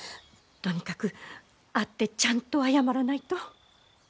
とにかく会ってちゃんと謝らないと。